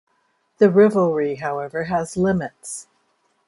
The rivalry, however, has limits.